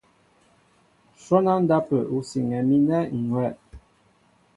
Shwɔ́n á ndápə̂ ú siŋɛ mi ánɛ̂ ŋ̀ hʉ́wɛ̂.